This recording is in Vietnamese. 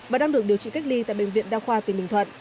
và đang được điều trị cách ly tại bệnh viện đa khoa tỉnh bình thuận